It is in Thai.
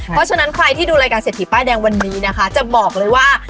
เพราะฉะนั้นใครที่ดูรายการเศรษฐีป้ายแดงวันนี้นะคะจะบอกเลยว่า